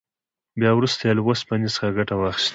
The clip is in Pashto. بیا وروسته یې له اوسپنې څخه ګټه واخیسته.